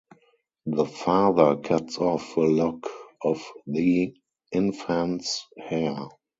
The father cuts off a lock of the infant's hair.